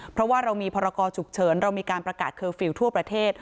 เพราะว่าเรามีพรกรฉุกเฉินเรามีการประกาศเคอร์ฟิลล์ทั่วประเทศ